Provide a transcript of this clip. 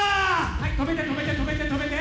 はい、止めて、止めて、止めて。